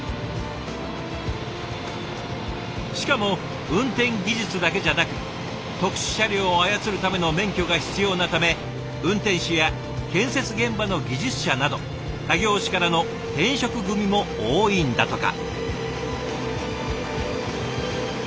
しかも運転技術だけじゃなく特殊車両を操るための免許が必要なため運転手や建設現場の技術者など他業種からの転職組も多いんだとか。